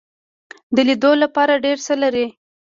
د لیدلو لپاره ډیر څه لري.